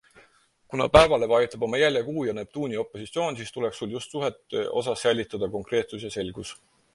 Kuna päevale vajutab oma jälje Kuu ja Neptuuni opositsioon, siis tuleks sul just suhete osas säilitada konkreetsus ja selgus.